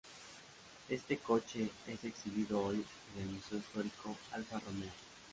Este coche es exhibido hoy en el Museo Storico Alfa Romeo.